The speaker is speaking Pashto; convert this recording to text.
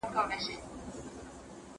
چي پر ځان دي وي پېرزو هغه پر بل سه ».